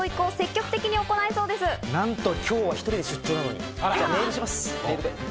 なんと今日は１人で出張なのに。